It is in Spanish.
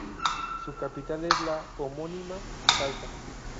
Su capital es la homónima Salta.